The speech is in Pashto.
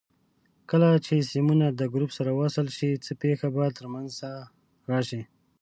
کله چې سیمونه د ګروپ سره وصل شي څه پېښه به تر منځ راشي؟